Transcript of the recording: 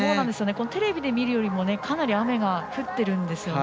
テレビで見るよりもかなり雨が降ってるんですよね。